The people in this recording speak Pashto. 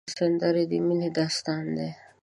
سندره د مینې داستان دی